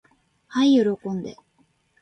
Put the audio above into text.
はい喜んで。